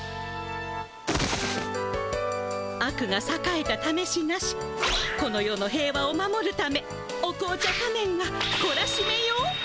「悪がさかえたためしなしこの世の平和を守るためお紅茶仮面がコラシメよ！」。